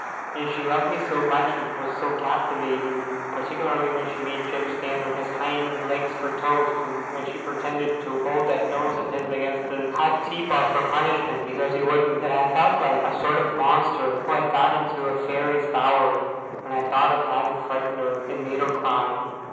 And she loved me so much, and was so captivating (particularly when she made Jip stand on his hind legs for toast, and when she pretended to hold that nose of his against the hot teapot for punishment because he wouldn't), that I felt like a sort of Monster who had got into a Fairy's bower, when I thought of having frightened her, and made her cry.